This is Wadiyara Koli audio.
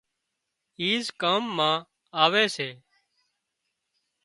ايز ڪام آوي سي